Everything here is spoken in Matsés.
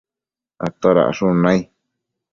atodacshun nai?